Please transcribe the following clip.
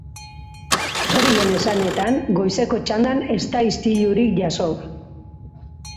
Horien esanetan, goizeko txandan ez da istilurik jazo.